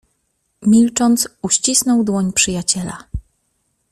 Milcząc, uścisnął dłoń przyjaciela.